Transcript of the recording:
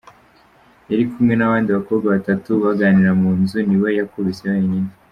Yari kumwe n’abandi bakobwa batatu baganira mu nzu, niwe yakubise wenyine.